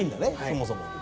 そもそも。